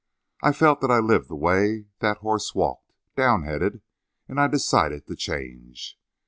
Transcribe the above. I felt that I'd lived the way that horse walked downheaded, and I decided to change."